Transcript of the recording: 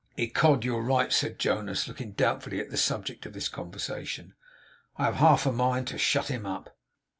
'Ecod you're right,' said Jonas, looking doubtfully at the subject of this conversation. 'I have half a mind to shut him up.